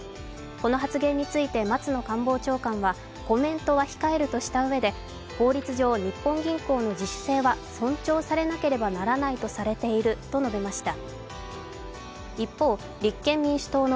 この発言について松野官房長官はコメントは控えるとしたうえで法律上、日本銀行の自主性は尊重されなければならないとされていると述べました。